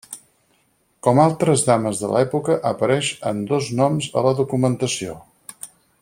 Com altres dames de l'època apareix amb dos noms a la documentació: